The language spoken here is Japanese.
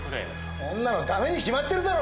そんなのダメに決まってるだろ！